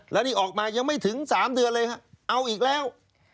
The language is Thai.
แล้วนี่ออกมายังไม่ถึง๓เดือนเลยฮะเอาอีกแล้ว